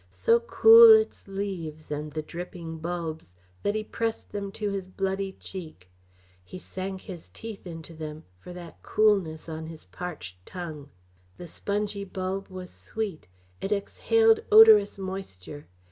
So cool its leaves, and the dripping bulbs that he pressed them to his bloody cheek. He sank his teeth into them for that coolness on his parched tongue. The spongy bulb was sweet; it exhaled odorous moisture.